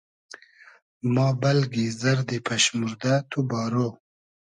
ما بئلگی زئردی پئشموردۂ , تو بارۉ